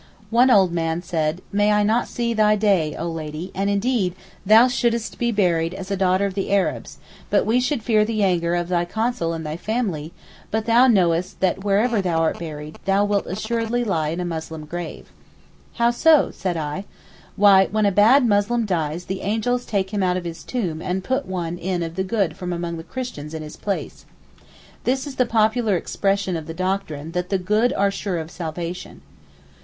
One old man said, 'May I not see thy day, oh Lady, and indeed thou shouldest be buried as a daughter of the Arabs, but we should fear the anger of thy Consul and thy family, but thou knowest that wherever thou art buried thou wilt assuredly lie in a Muslim grave.' 'How so?' said I. 'Why, when a bad Muslim dies the angels take him out of his tomb and put in one of the good from among the Christians in his place.' This is the popular expression of the doctrine that the good are sure of salvation.